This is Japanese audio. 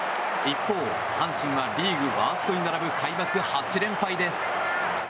一方、阪神はリーグワーストに並ぶ開幕８連敗です。